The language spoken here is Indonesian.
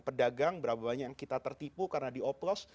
pedagang berapa banyak yang kita tertipu karena di oplos